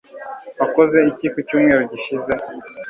wakoze iki ku cyumweru gishize